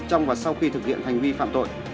trong và sau khi thực hiện hành vi phạm tội